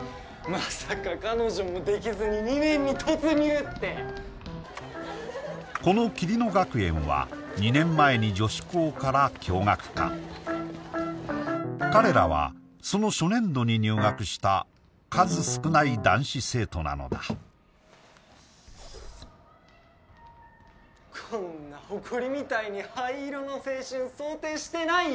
まさか彼女もできずに２年に突入ってこの桐乃学園は２年前に女子校から共学化彼らはその初年度に入学した数少ない男子生徒なのだこんなホコリみたいに灰色の青春想定してないよ